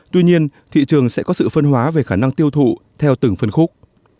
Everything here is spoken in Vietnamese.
tuy nhiên thị trường sẽ có sự phân hóa về khả năng tiêu thụ theo từng phân khúc